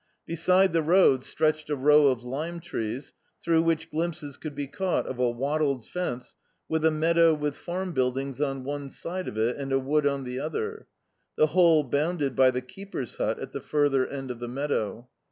Beside the road stretched a row of lime trees, through which glimpses could be caught of a wattled fence, with a meadow with farm buildings on one side of it and a wood on the other the whole bounded by the keeper's hut at the further end of the meadow.